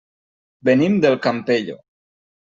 Venim del Campello.